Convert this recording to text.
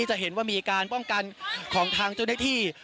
จะเห็นว่ามีการป้องกันของทางเจ้าหน้าที่